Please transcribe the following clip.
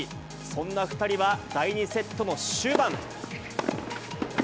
そんな２人は第２セットの終盤。